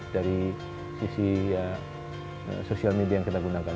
dari sisi sosial media yang kita gunakan